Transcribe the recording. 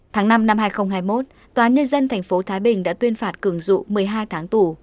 tháng năm năm hai nghìn hai mươi một tòa nhân dân thành phố thái bình đã tuyên phạt cường dụ một mươi hai tháng tủ